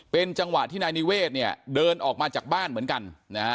เป็นจังหวะที่นายนิเวศเนี่ยเดินออกมาจากบ้านเหมือนกันนะฮะ